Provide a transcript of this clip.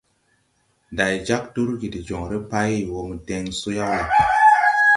Ndày jāg durgi de joŋre pay wo den so yaw la?